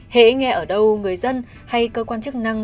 hãy nghe ở đâu người dân hay cơ quan chức năng